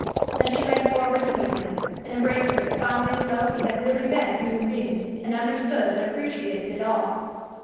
Then she ran forward to meet him, and embraced him as fondly as though he had really been a human being, and understood and appreciated it all.